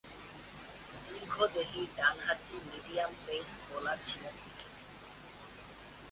দীর্ঘদেহী, ডানহাতি medium pace bowler ছিলেন তিনি।